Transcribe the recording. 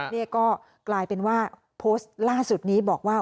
นี่ก็กลายเป็นว่าโพสต์ล่าสุดนี้บอกว่า